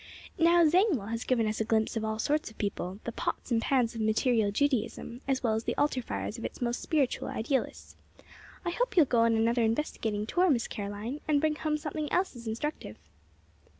Now, Zangwill has given us a glimpse of all sorts of people the 'pots and pans' of material Judaism, as well as the altar fires of its most spiritual idealists. I hope you'll go on another investigating tour, Miss Caroline, and bring home something else as instructive."